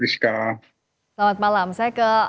selamat malam saya ke